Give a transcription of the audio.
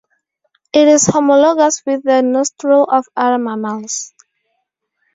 It is homologous with the nostril of other mammals.